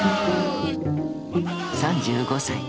［３５歳。